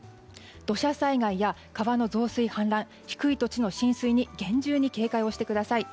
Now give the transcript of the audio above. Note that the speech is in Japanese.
土砂災害や川の増水・氾濫低い土地の浸水に厳重に警戒をしてください。